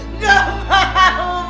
enggak mau pak